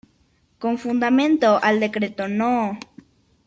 Con fundamento al decreto no.